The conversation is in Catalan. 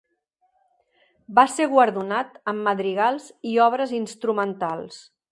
Va ser guardonat amb madrigals i obres instrumentals.